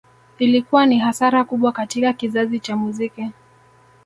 Ilikuwa ni hasara kubwa katika kizazi cha muziki